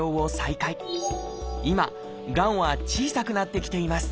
今がんは小さくなってきています